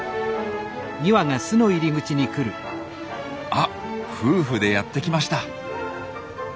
あ夫婦でやって来ました。